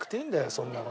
そんなの。